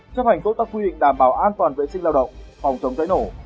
chấp hành tốt các quy định đảm bảo an toàn vệ sinh lao động phòng chống cháy nổ